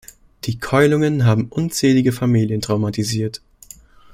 Die Keulungen haben unzählige Familien traumatisiert.